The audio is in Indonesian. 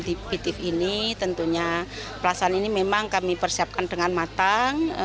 di ptif ini tentunya pelaksanaan ini memang kami persiapkan dengan matang